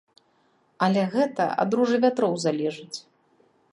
Але гэта ад ружы вятроў залежыць.